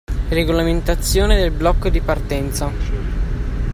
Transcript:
Regolamentazione del blocco di partenza